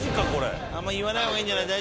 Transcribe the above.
あんま言わない方がいいんじゃない？